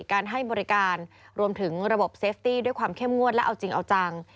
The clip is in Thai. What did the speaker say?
การให้บริการรวมถึงระบบเซฟตี้ด้วยความเข้มงวดและเอาจริงเอาจัง